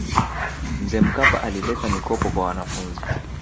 mzee mkapa alileta mikopo kwa wanafunzi